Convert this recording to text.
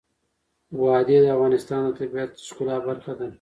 وادي د افغانستان د طبیعت د ښکلا برخه ده.